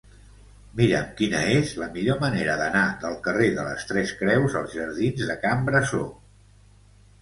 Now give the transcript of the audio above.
Mira'm quina és la millor manera d'anar del carrer de les Tres Creus als jardins de Can Brasó.